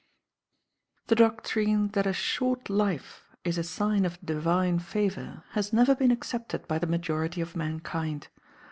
] The doctrine that a short life is a sign of divine favour has never been accepted by the majority of mankind.